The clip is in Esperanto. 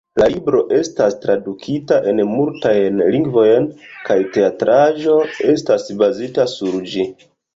La libro estas tradukita en multajn lingvojn kaj teatraĵo estas bazita sur ĝi.